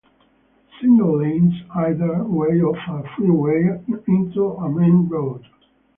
Single lanes either way, off a freeway, onto a main road.